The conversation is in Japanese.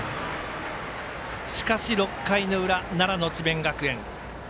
しかし６回の裏、奈良の智弁学園。